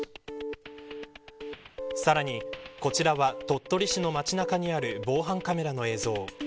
さらに、こちらは鳥取市の街中にある防犯カメラの映像。